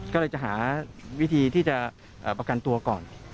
ก็เลยจะหาวิธีที่จะประกันตัวก่อน